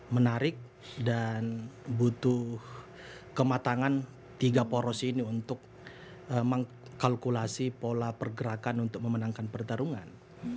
menarik dan butuh kematangan tiga poros ini untuk mengkalkulasi pola pergerakan untuk memenangkan pertarungan